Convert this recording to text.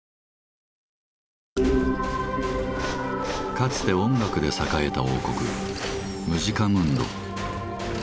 かつて音楽で栄えた王国「ムジカムンド」。